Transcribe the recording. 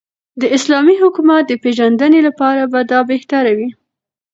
داسلامې حكومت دپيژندني لپاره به دابهتره وي